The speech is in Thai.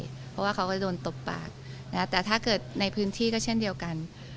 เพราะว่าเขาก็จะโดนตบปากแต่ถ้าเกิดในพื้นที่ก็เช่นเดียวกัน